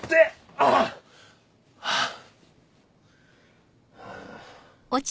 あぁ！ハァ。